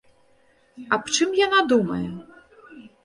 Аб чым яна думае?